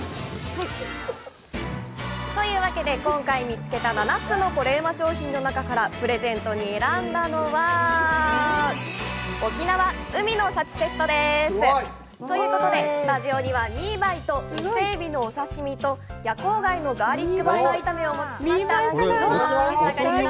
というわけで、今回見つけた７つのコレうま商品の中からプレゼントに選んだのは「沖縄海の幸セット」です！ということで、スタジオには、ミーバイとイセエビのお刺身と、夜光貝のガーリックバター炒めをお持ちいたしました。